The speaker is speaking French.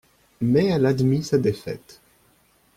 Mais elle admit sa défaite.